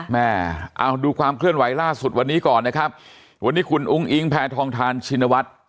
แม่เอาดูความเคลื่อนไหวล่าสุดวันนี้ก่อนนะครับวันนี้คุณอุ้งอิงแพทองทานชินวัฒน์